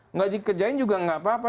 enggak dikerjain juga enggak apa apa